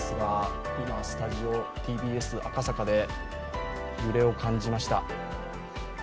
今、スタジオＴＢＳ赤坂で揺れを感じました。